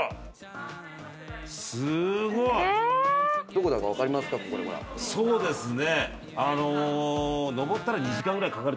どこだか分かりますか？